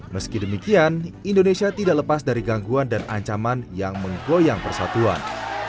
meski demikian indonesia tidak lepas dari gangguan dan ancaman yang menggoyang persatuan